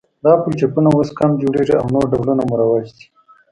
دا پلچکونه اوس کم جوړیږي او نور ډولونه مروج دي